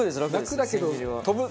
楽だけど。